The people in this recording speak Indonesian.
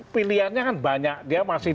pilihannya kan banyak dia masih